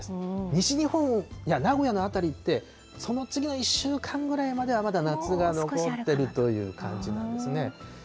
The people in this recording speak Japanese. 西日本や名古屋の辺りって、その次の１週間ぐらいまではまだ夏が残ってるという感じなんですね。